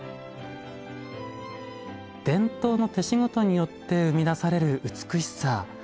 伝統の手仕事によって生み出される美しさそれを生み出す喜び